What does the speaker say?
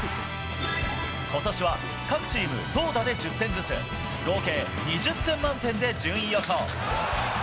ことしは各チーム投打で１０点ずつ、合計２０点満点で順位予想。